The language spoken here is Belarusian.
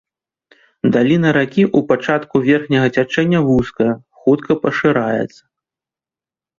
Даліна ракі ў пачатку верхняга цячэння вузкая, хутка пашыраецца.